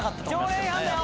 条例違反だよ。